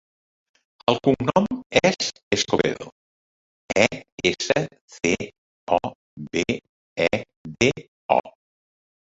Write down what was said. El cognom és Escobedo: e, essa, ce, o, be, e, de, o.